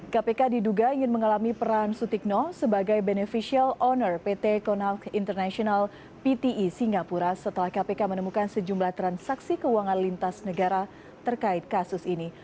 kpk diduga ingin mengalami peran sutikno sebagai beneficial owner pt konal international pte singapura setelah kpk menemukan sejumlah transaksi keuangan lintas negara terkait kasus ini